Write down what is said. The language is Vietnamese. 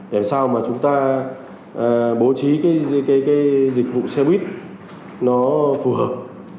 để sao mà chúng ta bố trí cái dịch vụ xe buýt nó phù hợp